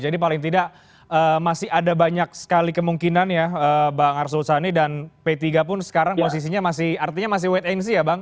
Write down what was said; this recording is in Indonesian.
jadi paling tidak masih ada banyak sekali kemungkinan ya bang arsul sani dan p tiga pun sekarang posisinya masih artinya masih wait and see ya bang